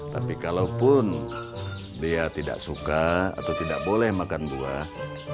tapi kalaupun dia tidak suka atau tidak boleh makan buah